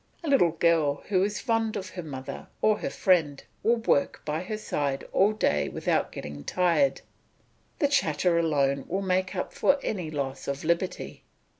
A little girl who is fond of her mother or her friend will work by her side all day without getting tired; the chatter alone will make up for any loss of liberty.